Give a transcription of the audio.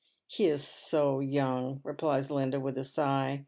'• He is so young," replies Linda, with a sigh.